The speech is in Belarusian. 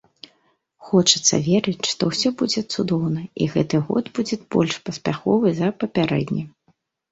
Хочацца верыць, што ўсё будзе цудоўна, і гэты год будзе больш паспяховым за папярэдні.